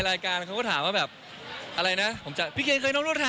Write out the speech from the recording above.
ถ้าจริงนี้ฉันก็ตกใจเหมือนกัน